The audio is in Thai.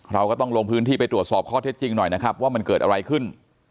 เราก็ต้องลงพื้นที่ไปตรวจสอบข้อเท็จจริงหน่อยนะครับว่ามันเกิดอะไรขึ้น